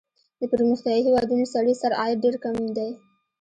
د پرمختیايي هېوادونو سړي سر عاید ډېر کم دی.